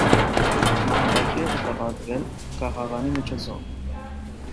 Մահապատժի է դատապարտվել կախաղանի միջոցով։